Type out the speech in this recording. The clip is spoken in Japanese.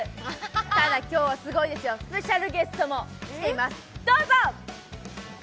ただ今日はすごいですよ、スペシャルゲストも来ています。